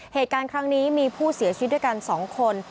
เหตุการณ์ครั้งนี้มีผู้เสียชีวิตด้วยกัน๒คน